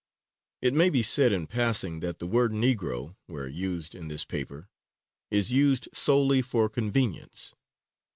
It may be said, in passing, that the word "Negro," where used in this paper, is used solely for convenience.